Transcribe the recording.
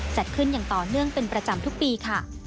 จัดขึ้นอย่างต่อเนื่องเป็นประจำทุกปีค่ะ